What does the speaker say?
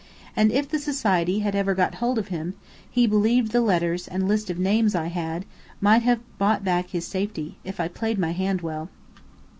And if the Society had ever got hold of him, he believed the letters and lists of names I had, might have bought back his safety, if I played my hand well.